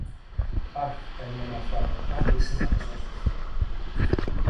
Αχ, καημένε Αφράτο, πάλι εσύ θα με σώσεις!